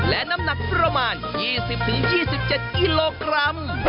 และน้ำหนักประมาณ๒๐๒๗กิโลกรัม